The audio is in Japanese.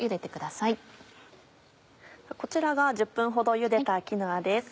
こちらが１０分ほどゆでたキヌアです。